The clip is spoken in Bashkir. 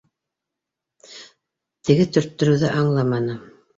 Теге төрттөрөүҙе аңламаны: